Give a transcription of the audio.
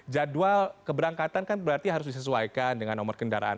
jadwal keberangkatan kan berarti harus disesuaikan dengan nomor kendaraan